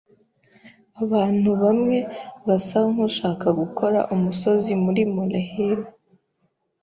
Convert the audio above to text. Abantu bamwe basa nkushaka gukora umusozi muri molehill.